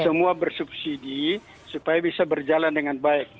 semua bersubsidi supaya bisa berjalan dengan baik